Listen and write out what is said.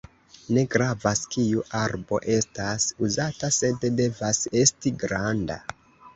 Ne gravas kiu arbo estas uzata, sed devas esti granda.